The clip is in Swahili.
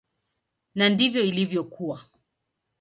Na ndivyo ilivyokuwa.